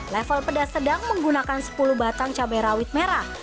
level pedas sedang menggunakan sepuluh batang cabai rawit merah